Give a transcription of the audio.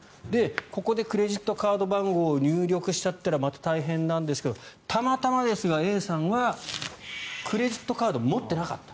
ここでクレジットカード番号を入力しちゃったらまた大変なんですけどたまたまですがＡさんはクレジットカードを持ってなかった。